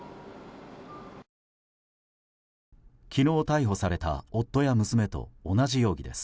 昨日逮捕された夫や娘と同じ容疑です。